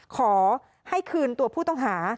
ขอให้คืนตัวผู้ต้องหา